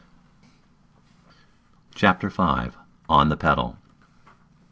CHAPTER V. ON THE PEDAL.